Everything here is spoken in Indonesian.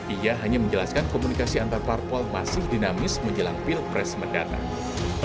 ia hanya menjelaskan komunikasi antarparpol masih dinamis menjelang pilpres mendatang